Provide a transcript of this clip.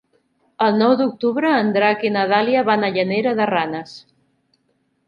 El nou d'octubre en Drac i na Dàlia van a Llanera de Ranes.